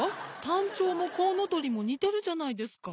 タンチョウもコウノトリもにてるじゃないですか？